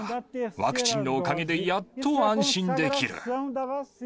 ワクチンのおかげでやっと安心できる。